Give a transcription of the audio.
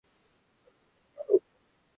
অন্তত্য আমরা আজ রাতে মদ্যপান করতে তো পারব।